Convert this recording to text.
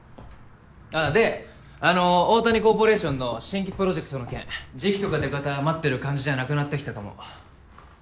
あっであの大谷コーポレーションの新規プロジェクトの件時期とか出方待ってる感じじゃなくなってきたかも。